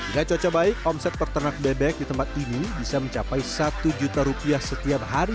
jika cocok baik omset pertenak bebek di tempat ini bisa mencapai satu juta rupiah setiap hari